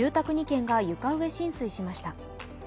２軒が床上浸水しました。